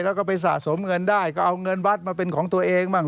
แล้วก็ไปสะสมเงินได้ก็เอาเงินวัดมาเป็นของตัวเองบ้าง